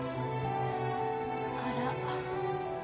あら？